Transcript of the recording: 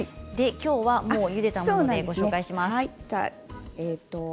きょうは、ゆでたものでご紹介します。